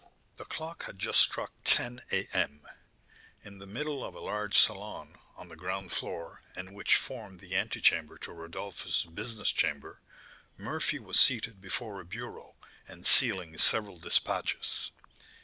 The clock had just struck ten, A.M. In the middle of a large salon on the ground floor and which formed the antechamber to Rodolph's business chamber, Murphy was seated before a bureau, and sealing several despatches.